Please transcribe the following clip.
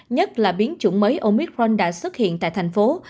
nhất là biến chủng mới omitron đã xuất hiện tại thành phố